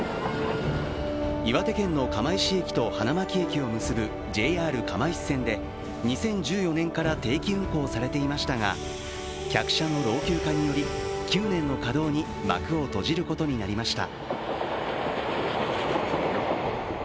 岩手県の釜石駅と花巻駅を結ぶＪＲ釜石線で２０１４年から定期運行されていましたが、客車の老朽化により９年の稼働に幕を閉じることになりました。